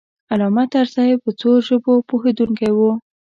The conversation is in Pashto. علامه طرزی په څو ژبو پوهېدونکی و.